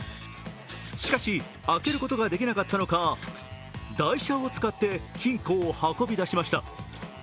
しかし、開けることができなかったのか、台車を使って金庫を運び出しました。